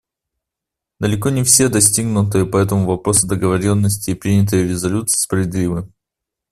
Далеко не все достигнутые по этому вопросу договоренности и принятые резолюции справедливы.